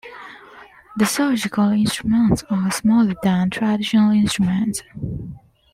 The surgical instruments are smaller than traditional instruments.